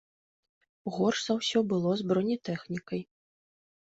Горш за ўсё было з бронетэхнікай.